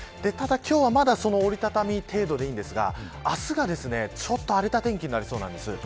まだ折り畳み程度でいいですが、あしたがちょっと荒れた天気になりそうです。